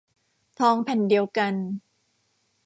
ทองแผ่นเดียวกัน